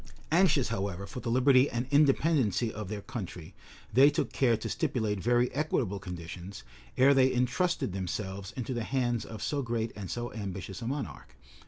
Anxious, however, for the liberty and independency of their country, they took care to stipulate very equitable conditions, ere they intrusted themselves into the hands of so great and so ambitious a monarch.